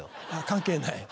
関係ない？